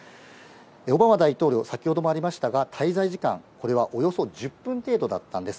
オバマ大統領、先ほどもありましたが、滞在時間、これはおよそ１０分程度だったんです。